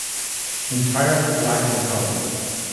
Entirely black in color.